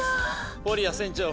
フォリア船長